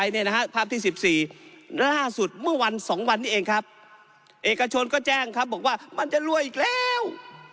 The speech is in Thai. ภาพที่๑๔ล่าสุดเมื่อวัน๒วันนี้เองครับเอกชนก็แจ้งครับบอกว่ามันจะรวยอีกแล้ว